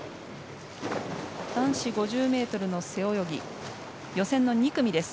男子５０ｍの背泳ぎ予選の２組です。